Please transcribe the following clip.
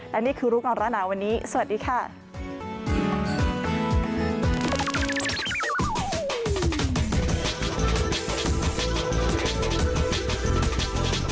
และนี่คือรู้ก่อนร้อนหนาวันนี้สวัสดีค่ะ